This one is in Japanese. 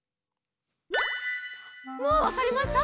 もうわかりました？